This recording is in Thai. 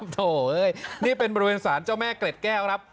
โถนี่เป็นบริเวณสารเจ้าแม่เกล็ดแก้วครับ